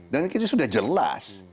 dan itu sudah jelas